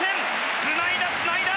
つないだつないだ！